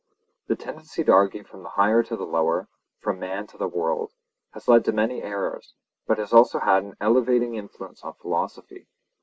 The tendency to argue from the higher to the lower, from man to the world, has led to many errors, but has also had an elevating influence on philosophy.